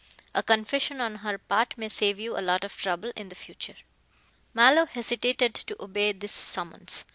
A confession on her part may save you a lot of trouble in the future." Mallow hesitated to obey this summons.